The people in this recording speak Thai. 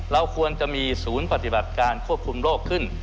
เราควรจะมีศูนย์ปฏิบัติการควบคุมโรคขึ้น